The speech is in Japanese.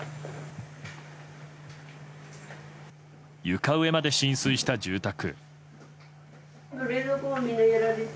床上まで浸水した住宅。